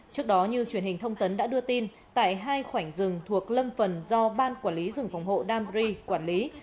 trước đó như truyền hình thông tấn đã đưa tin tại hai khoảnh rừng thuộc lâm phần do ban quản lý rừng phòng hộ danbri quản lý